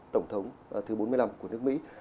tổng thống thứ bốn mươi năm của nước mỹ